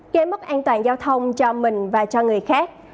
gây mất an toàn giao thông cho mình và cho người khác